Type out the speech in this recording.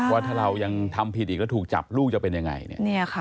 ว่าถ้าเรายังทำผิดอีกแล้วถูกจับลูกจะเป็นยังไงเนี่ยค่ะ